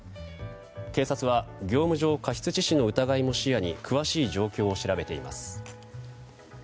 警察は業務上過失致死の疑いも視野に詳しい状況を調べています。